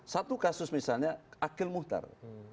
satu kasus misalnya akil muhtar